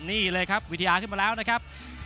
นี่เลยครับวิทยาขึ้นมาแล้วนะครับ